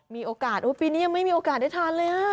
มีโอกาสปีนี้ยังไม่มีโอกาสได้ทานเลยอ่ะ